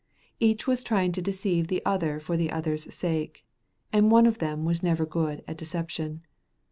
Each was trying to deceive the other for the other's sake, and one of them was never good at deception.